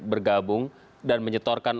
bergabung dan menyetorkan